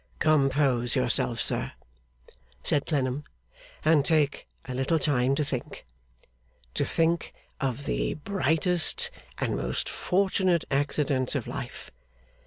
'Compose yourself, sir,' said Clennam, 'and take a little time to think. To think of the brightest and most fortunate accidents of life.